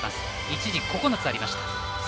一時期９つありました。